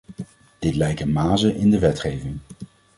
Dit lijken mazen in de wetgeving.